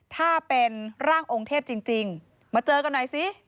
ถ้าเป็นร่างองค์เทพจริงมาเจอกันหน่อยสิ